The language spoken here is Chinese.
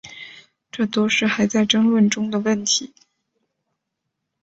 这都是还在争论中的问题。